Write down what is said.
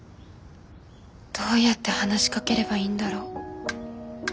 どうやって話しかければいいんだろう。